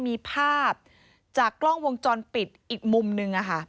มีภาพจากกล้องวงจรปิดอีกมุมนึง